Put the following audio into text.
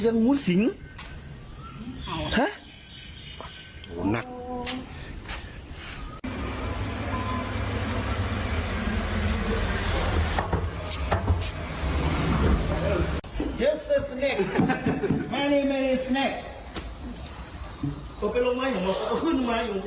ต้องชูนี่ไหน